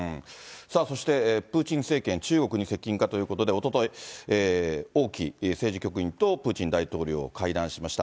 そしてプーチン政権、中国に接近かということで、おととい、王毅政治局員とプーチン大統領が会談しました。